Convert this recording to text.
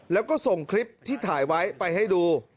แล้วก็ส่งคลิปที่ถ่ายไว้ไปให้ดู